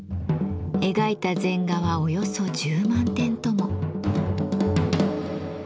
描いた禅画はおよそ１０万点とも。